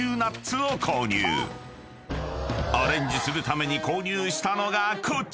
［アレンジするために購入したのがこちら！］